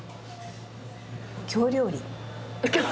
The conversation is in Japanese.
京料理！？